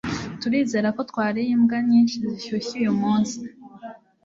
Turizera ko twariye imbwa nyinshi zishyushye uyumunsi